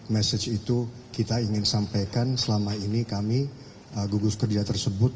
message itu kita ingin sampaikan selama ini kami gugus kerja tersebut